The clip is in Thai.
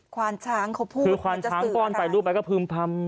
ควานช้างเขาพูดคือควานช้างป้อนไปรูปไปก็พึ่มพำ